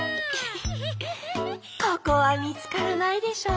ここはみつからないでしょう。